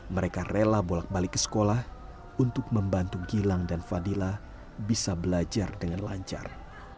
mereka rela bolak balik ke sekolah untuk membantu gilang dan fadila bisa belajar dengan lancar